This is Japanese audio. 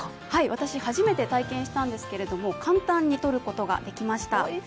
私、初めて体験したんですけれども、簡単にとることができました。